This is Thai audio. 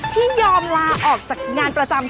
ที่ยอมลาออกจากงานประจำ